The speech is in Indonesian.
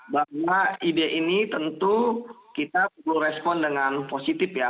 bahwa ide ini tentu kita perlu respon dengan positif ya